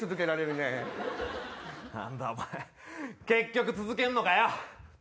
結局続けんのかよ！